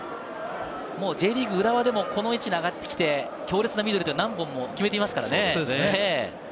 Ｊリーグ・浦和でもこの位置に上がってきて強烈なミドルで何本も決めていますからね。